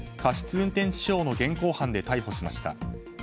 運転致傷の現行犯で逮捕しました。